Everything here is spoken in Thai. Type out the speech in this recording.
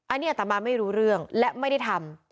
อันนี้อัตมาไม่รู้เรื่องและไม่ได้ทำ